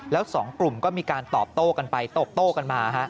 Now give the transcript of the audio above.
แล้วสองกลุ่มก็มีการตอบโต้กันไปตอบโต้กันมา